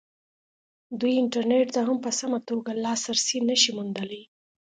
دوی انټرنېټ ته هم په سمه توګه لاسرسی نه شي موندلی.